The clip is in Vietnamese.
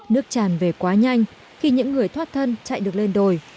nước tràn về quá nhanh khi những người thoát thân chạy được lên đồi